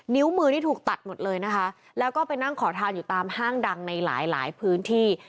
นิ้วมือนี่ถูกตัดหมดเลยนะคะแล้วก็ไปนั่งขอทานอยู่ตามห้างดังในหลายหลายพื้นที่